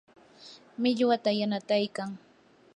millwata yanataykan.